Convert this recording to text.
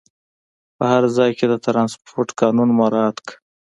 په هر ځای کې د ترانسپورټ قانون مراعات کړه.